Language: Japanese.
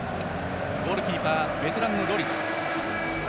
ゴールキーパーベテランのロリス。